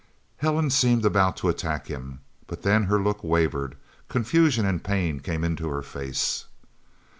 Helen seemed about to attack him. But then her look wavered; confusion and pain came into her face.